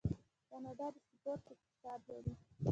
کاناډا د سپورت اقتصاد لري.